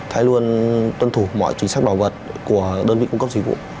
hãy luôn tuân thủ mọi chính sách bảo vật của đơn vị cung cấp dịch vụ